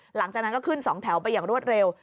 หลังจากนั้นก็ขึ้น๒แถวไปอย่างรวดเร็ว